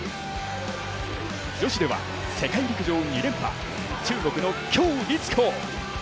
女子では、世界陸上２連覇、中国の鞏立コウ。